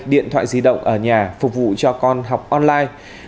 điện thoại di động ở nhà phục vụ cho con học online